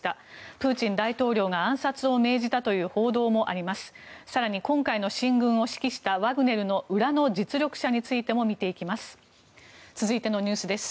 プーチン大統領が暗殺を命じたという報道もあります。